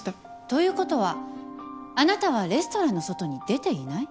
ということはあなたはレストランの外に出ていない？